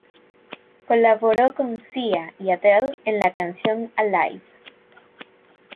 Colaboró con Sia y Adele en la canción "Alive".